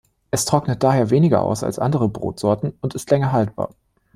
Es trocknet daher weniger aus als andere Brotsorten und ist länger haltbar.